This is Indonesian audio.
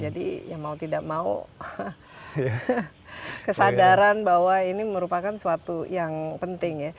jadi ya mau tidak mau kesadaran bahwa ini merupakan suatu yang penting ya